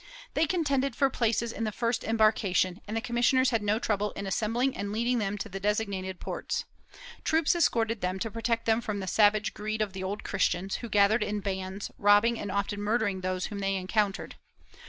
They contended for places in the first embarkation, and the commissioners had no trouble in assembling and leading them to the designated ports. Troops escorted them to protect them from the savage greed of the Old Christians, who gathered in bands, robbing and often murdering those whom they encountered.